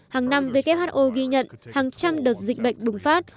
hàng năm who ghi nhận hàng trăm đợt dịch bệnh bùng phát